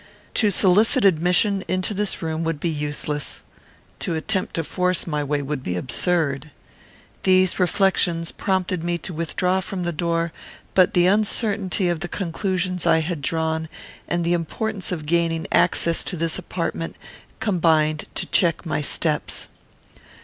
To solicit admission into this room would be useless. To attempt to force my way would be absurd. These reflections prompted me to withdraw from the door; but the uncertainty of the conclusions I had drawn, and the importance of gaining access to this apartment, combined to check my steps.